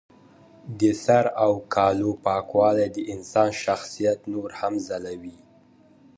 د سر او کالو پاکوالی د انسان شخصیت نور هم ځلوي.